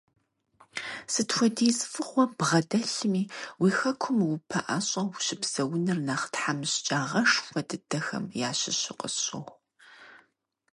Сыт хуэдиз фӀыгъуэ ббгъэдэлъми, уи Хэкум упэӀэщӀэу ущыпсэуныр нэхъ тхьэмыщкӀагъэшхуэ дыдэхэм ящыщу къысщохъу.